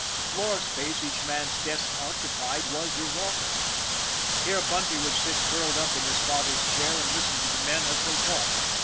The floor space each man's desk occupied was his office. Here Bunty would sit curled up in his father's chair and listen to the men as they talked.